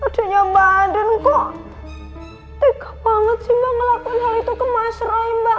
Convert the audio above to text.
adeknya mbak andin kok tegak banget sih mbak ngelakuin hal itu ke mas roy mbak mir